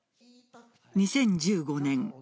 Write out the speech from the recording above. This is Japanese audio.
２０１５年